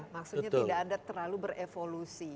maksudnya tidak ada terlalu berevolusi